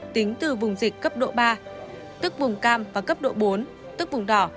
tính từ vùng dịch cấp độ ba tức vùng cam và cấp độ bốn tức vùng đỏ